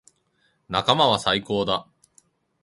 仲間は最高だ。